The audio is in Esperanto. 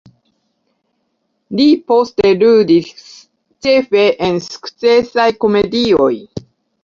Li poste ludis ĉefe en sukcesaj komedioj.